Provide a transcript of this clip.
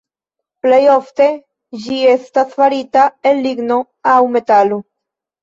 Plejofte ĝi estas farita el ligno aŭ metalo.